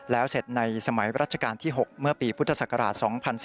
แล้วเสร็จในสมัยรัชกาลที่๖เมื่อปีพุทธศักราช๒๔๙